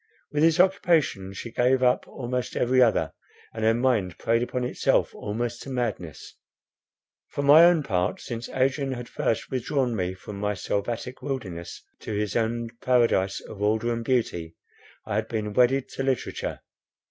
With this occupation she gave up almost every other; and her mind preyed upon itself almost to madness. For my own part, since Adrian had first withdrawn me from my selvatic wilderness to his own paradise of order and beauty, I had been wedded to literature.